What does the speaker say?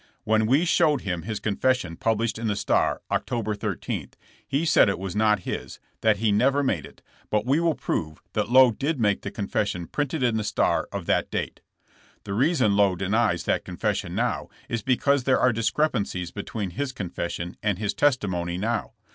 When we showed him his confes sion published in the Star, October 13, he said it was not his, that he never made it, but we will prove that Lowe did make the confession printed in the Star of that date. *'The reason Lowe denies that confession now is because there are discrepancies between his confes sion and his testimony now.